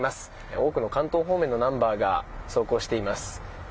多くの関東方面のナンバーが走行しています。